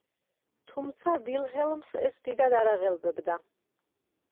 თუმცა ვილჰელმს ეს დიდად არ აღელვებდა.